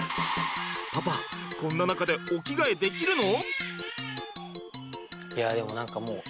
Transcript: パパこんな中でお着替えできるの？